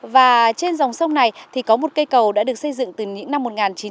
và trên dòng sông này thì có một cây cầu đã được xây dựng từ những năm một nghìn chín trăm bảy mươi